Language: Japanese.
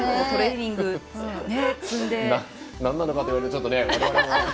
なんなのかといわれるとちょっとね。